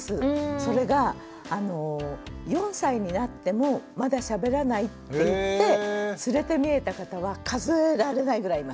それが４歳になってもまだしゃべらないっていって連れてみえた方は数えられないぐらいいます。